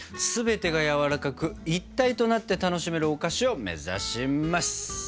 全てがやわらかく一体となって楽しめるお菓子を目指します！